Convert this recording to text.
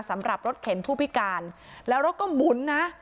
สำหรับรถเข็นผู้พิการแล้วรถก็หมุนนะ